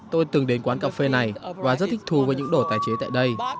tôi từng đến quán cà phê này và rất thích thù với những đồ tái chế tại đây